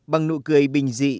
bằng nụ cười bình dị